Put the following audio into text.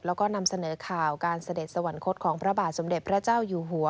แล้วก็นำเสนอข่าวการเสด็จสวรรคตของพระบาทสมเด็จพระเจ้าอยู่หัว